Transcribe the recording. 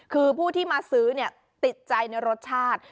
คือผู้ที่มาซื้อติดใจในรสชาติ